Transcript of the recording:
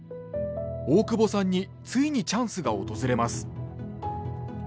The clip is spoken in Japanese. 大久保さんについにチャンスが訪れます。